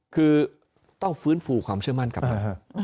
คือต้องฟื้นฟูความเชื่อมั่นกลับมา